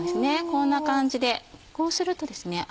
こんな感じでこうするとですね